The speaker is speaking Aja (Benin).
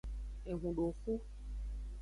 Ehundoxu.